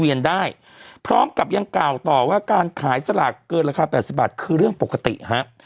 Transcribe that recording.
ยังกล่าวต่อว่าการขายสลากเกินราคา๘๐บาทคือเรื่องปกติฮะ